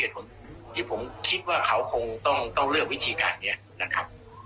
ที่ผมคิดว่าเขาคงต้องเลือกวิธีการนี้นะครับ